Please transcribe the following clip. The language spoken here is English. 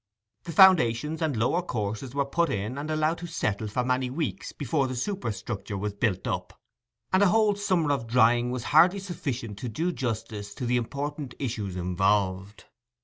The foundations and lower courses were put in and allowed to settle for many weeks before the superstructure was built up, and a whole summer of drying was hardly sufficient to do justice to the important issues involved.